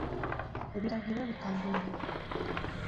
Ebiragiro bikambwe nnyo.